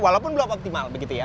walaupun belum optimal begitu ya